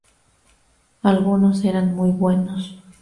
Algunos eran muy buenos.